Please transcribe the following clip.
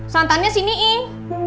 santannya sini in